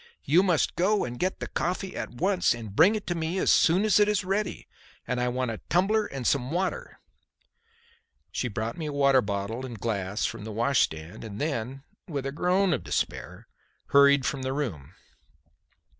You must go and get that coffee at once and bring it to me as soon as it is ready. And I want a tumbler and some water." She brought me a water bottle and glass from the wash stand and then, with a groan of despair, hurried from the room.